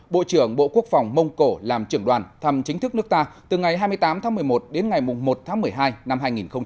bộ trưởng bộ quốc phòng mông cổ làm trưởng đoàn thăm chính thức nước ta từ ngày hai mươi tám tháng một mươi một đến ngày một tháng một mươi hai năm hai nghìn một mươi chín